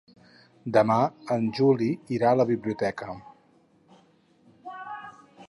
Demà en Juli irà a la biblioteca.